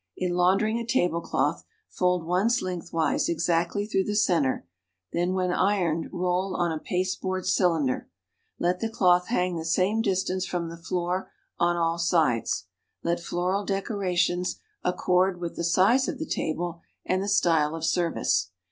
In humdering a tablecloth, fold once lengthwise exactly through the center, then when uoiicd roll on a pastelboard cylinder. Let the cloth hang the same distance from the floor on all sides. Let floral decorations accord with the size of the table and the style of serv ice.